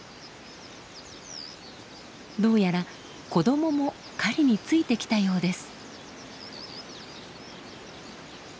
どうやら子どもも狩りについてきたようです。